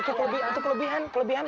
itu kelebihan kelebihan kelebihan sepuluh